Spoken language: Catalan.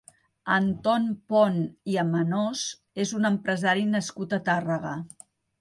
Antón Pont i Amenós és un empresari nascut a Tàrrega.